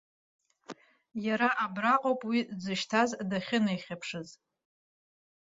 Иара абраҟоуп уи дзышьҭаз дахьынеихьыԥшыз.